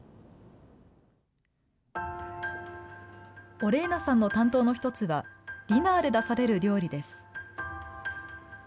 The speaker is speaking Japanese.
オレーナさんの担当の１つは、ディナーで出される料理です。